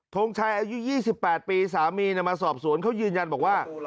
ทงชัยอายุยี่สิบแปดปีสามีเนี่ยมาสอบสวนเขายืนยันบอกว่า